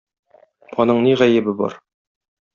Аның ни гаебе бар?